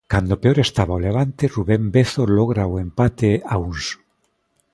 Cando peor estaba o Levante, Rubén Vezo logra o empate a uns.